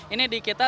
ini di kita